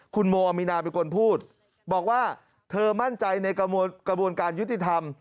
คุณโมอามีนาเป็นคนพูดบอกว่าเธอมั่นใจในกระบวนการยุติธรรม